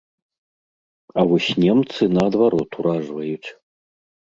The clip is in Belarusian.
А вось немцы наадварот уражваюць.